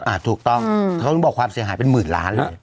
ถูกต้องเขาต้องบอกความเสียหายเป็นหมื่นล้านเลย